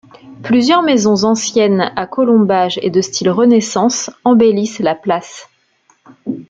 Plusieurs maisons anciennes à colombages et de style Renaissance embellissent la place.